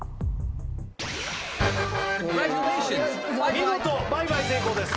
見事倍買成功です